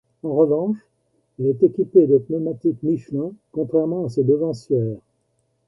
En revanche, elle est équipée de pneumatiques Michelin, contrairement à ses devancières.